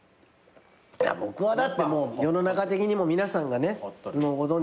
僕はだってもう世の中的にも皆さんがご存じのとおりです。